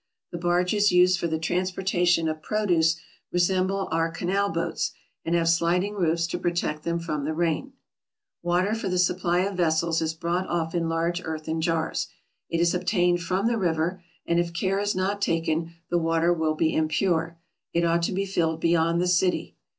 The barges used for the transportation of produce resemble our canal boats, and have sliding roofs to protect them from the rain. Water for the supply of vessels is brought off in large earthen jars. It is obtained from the river, and if care is not taken, the water will be impure ; it ought to be filled beyond the city.